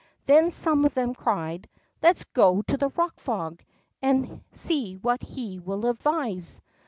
Then some of them cried : Let us go to the Eock Frog, and see what he will advise!